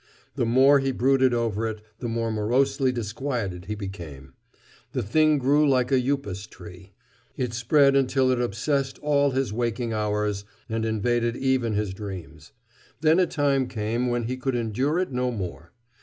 The more he brooded over it the more morosely disquieted he became. The thing grew like a upas tree; it spread until it obsessed all his waking hours and invaded even his dreams. Then a time came when he could endure it no more.